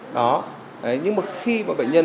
đó nhưng mà khi bệnh nhân